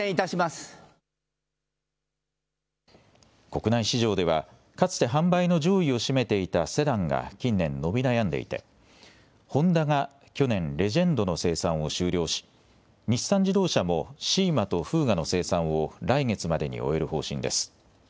国内市場ではかつて販売の上位を占めていたセダンが近年、伸び悩んでいてホンダが去年、レジェンドの生産を終了し日産自動車もシーマとフーガの生産を来月までに終える方針です。